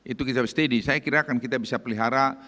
itu kita steady saya kira akan kita bisa pelihara